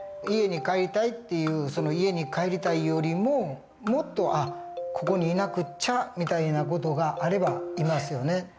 家に帰りたいっていう家に帰りたいよりももっと「あっここにいなくっちゃ」みたいな事があればいますよね。